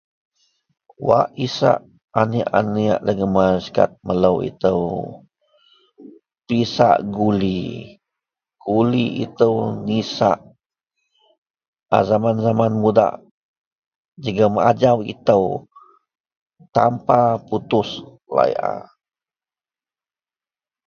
Wak isak aniek-aniek dagen kad melo ito pisak guli, ito nisak a zaman-zaman mda jegam ajau ito tanpa putus layar.